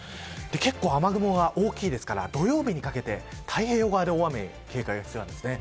結構、雨雲が大きいですから土曜日にかけて太平洋側で大雨に注意が必要です。